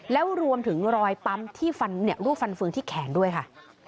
แล้วรวมถึงรอยปั๊มที่ลูกฟันเฟืองที่แขนด้วยค่ะ